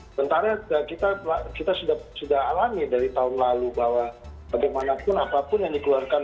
sementara kita sudah alami dari tahun lalu bahwa bagaimanapun apapun yang dikeluarkan